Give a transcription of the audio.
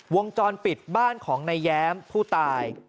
วงจรปิดบ้านของนายแย้มผู้ตาย